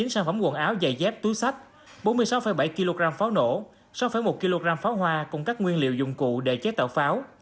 ba trăm linh chín sản phẩm quần áo giày dép túi sách bốn mươi sáu bảy kg pháo nổ sáu một kg pháo hoa cùng các nguyên liệu dụng cụ để chế tạo pháo